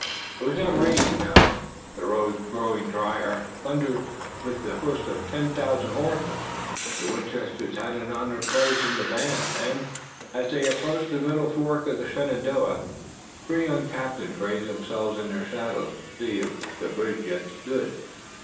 It was not raining now and the roads growing dryer thundered with the hoofs of ten thousand horses. The Winchesters had an honored place in the van, and, as they approached the middle fork of the Shenandoah, the three young captains raised themselves in their saddles to see if the bridge yet stood.